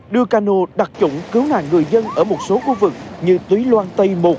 đưa cano đặc trụng cứu nạn người dân ở một số khu vực như tuy loan tây một